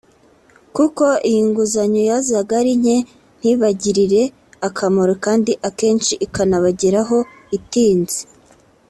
kuko iyi nguzanyo yazaga ari nke ntibagirire akamaro kandi akenshi ikanabageraho itinze